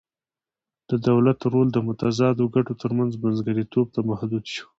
د دولت رول د متضادو ګټو ترمنځ منځګړیتوب ته محدود شو